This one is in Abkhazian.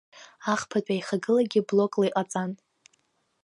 Ахԥатәи аихагылагьы блокла иҟаҵан.